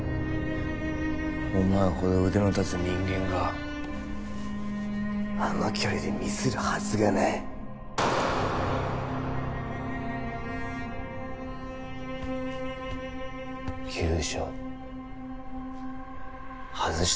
お前ほど腕の立つ人間があの距離でミスるはずがない急所外し